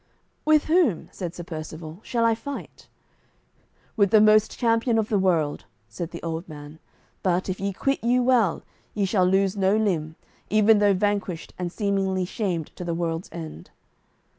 "With whom," said Sir Percivale, "shall I fight?" "With the most champion of the world," said the old man, "but, if ye quit you well, ye shall lose no limb, even though vanquished and seemingly shamed to the world's end."